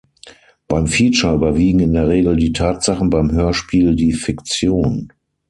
Beim Feature überwiegen in der Regel die Tatsachen, beim Hörspiel die Fiktion.